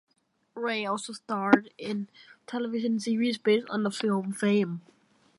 Ray also starred in television series based on the film, "Fame".